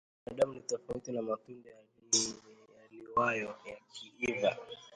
Binadamu ni tofauti na matunda yaliwayo yakiiva